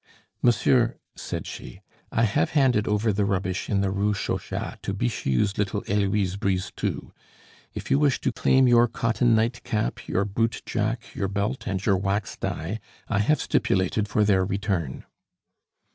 "Monsieur," said she, "I have handed over the rubbish in the Rue Chauchat to Bixiou's little Heloise Brisetout. If you wish to claim your cotton nightcap, your bootjack, your belt, and your wax dye, I have stipulated for their return."